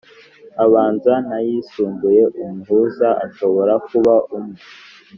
abanza n’ayisumbuye, umuhuza ashobora kuba umwe